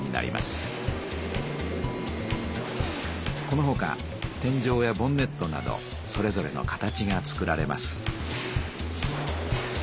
このほか天じょうやボンネットなどそれぞれの形がつくられます。